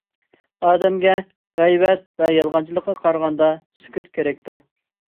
ئادەمگە غەيۋەت ۋە يالغانچىلىققا قارىغاندا، سۈكۈت كېرەكتۇر.